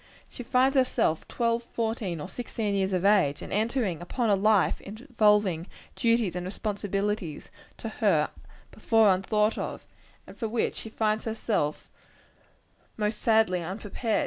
She finds herself twelve, fourteen or sixteen years of age, and entering upon a life involving duties and responsibilities, to her before unthought of and for which she finds herself most sadly unprepared.